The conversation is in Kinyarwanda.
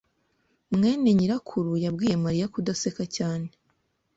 mwene nyirakuru yabwiye Mariya kudaseka cyane.